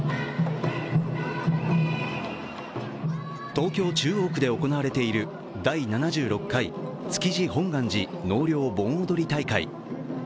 東京・中央区で行われている第７６回築地本願寺納涼盆踊り大会。